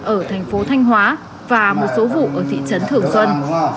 ở thành phố thanh hóa và một số vụ ở thị trấn thường xuân